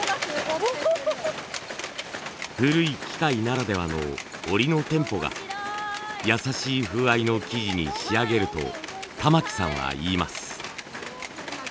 古い機械ならではの織りのテンポがやさしい風合いの生地に仕上げると玉木さんは言います。